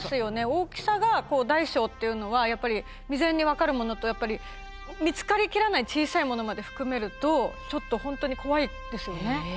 大きさが大小っていうのは未然に分かるものとやっぱり見つかり切らない小さいものまで含めるとちょっと本当に怖いですよね。